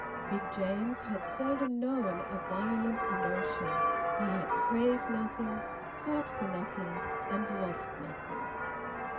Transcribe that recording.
Big James had seldom known a violent emotion. He had craved nothing, sought for nothing, and lost nothing.